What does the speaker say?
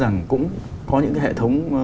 rằng cũng có những hệ thống